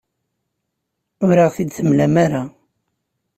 Ur aɣ-t-id-temlam ara.